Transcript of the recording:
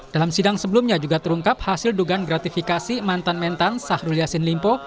dalam sidang sebelumnya juga terungkap hasil dugaan gratifikasi mantan mentan sahrul yassin limpo